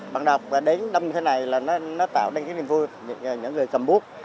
bạn đọc đến năm thế này là nó tạo nên cái niềm vui những người cầm bút